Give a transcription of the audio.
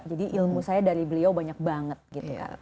jadi ilmu saya dari beliau banyak banget gitu kan